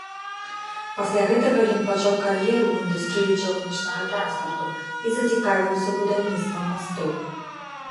Пасля гэтага ён пачаў кар'еру ў індустрыі чыгуначнага транспарту і зацікавіўся будаўніцтвам мастоў.